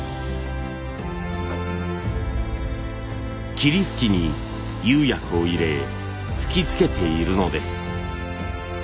霧吹きに釉薬を入れ吹きつけているのです。